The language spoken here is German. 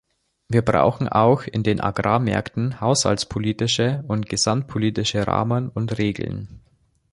Wir brauchen auch in den Agrarmärkten haushaltspolitische und gesamtpolitische Rahmen und Regeln.